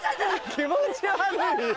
気持ち悪いよ。